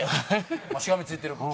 まあしがみついてるから。